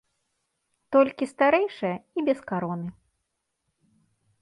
Толькі старэйшая і без кароны.